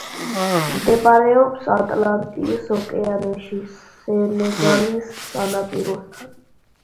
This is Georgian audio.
მდებარეობს ატლანტის ოკეანეში, სენეგალის სანაპიროსთან.